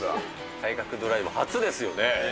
体格ドライブ、初ですよね。